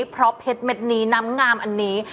เพราะเพชรเม็ดนี้น้ำงามอันนี้